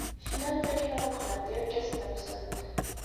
Knant akken ad qqnent irkasen-nsent.